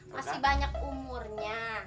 masih banyak umurnya